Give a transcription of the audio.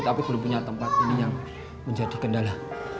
tapi belum punya tempat ini yang menjadi kendala